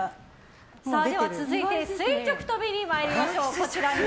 では、続いて垂直跳びに参りましょう。